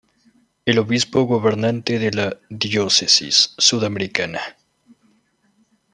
El obispo gobernante de la diócesis sudamericana.